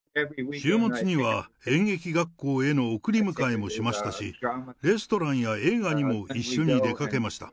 週末には演劇学校への送り迎えもしましたし、レストランや映画にも一緒に出かけました。